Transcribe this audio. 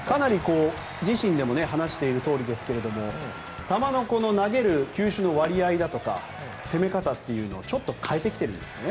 自身でも話しているとおりですが球の投げる球種の割合とか攻め方をちょっと変えてきているんですね。